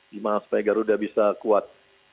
gimana supaya garuda bisa kuat